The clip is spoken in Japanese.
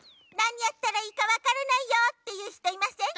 なにやったらいいかわからないよっていうひといません？